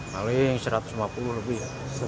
paling satu ratus lima puluh lebih